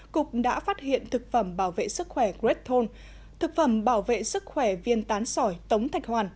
cục đã phát hiện thực phẩm bảo vệ sức khỏe gregone thực phẩm bảo vệ sức khỏe viên tán sỏi tống thạch hoàn